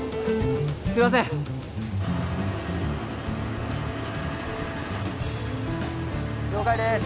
すいません了解です